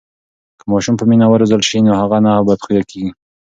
که ماشوم په مینه و روزل سي نو هغه نه بدخویه کېږي.